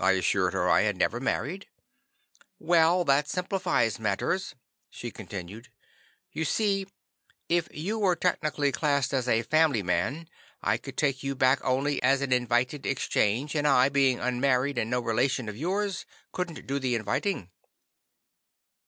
I assured her I had never married. "Well, that simplifies matters," she continued. "You see, if you were technically classed as a family man, I could take you back only as an invited exchange and I, being unmarried, and no relation of yours, couldn't do the inviting."